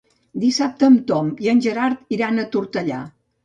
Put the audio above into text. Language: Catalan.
Dissabte en Tom i en Gerard iran a Tortellà.